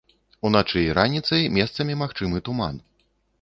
Уначы і раніцай месцамі магчымы туман.